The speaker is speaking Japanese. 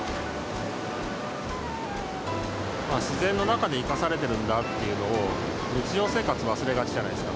自然の中で生かされてるんだっていうのを日常生活忘れがちじゃないですか。